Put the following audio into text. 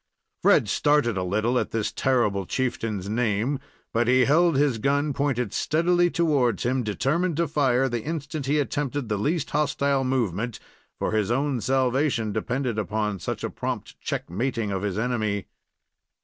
Fred started a little at this terrible chieftain's name; but he held his gun pointed steadily towards him, determined to fire the instant he attempted the least hostile movement, for his own salvation depended upon such a prompt check mating of his enemy.